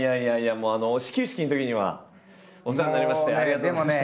もう始球式のときにはお世話になりましてありがとうございました。